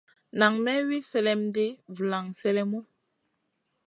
Nan may wi sèlèm ɗi vulan sélèmu.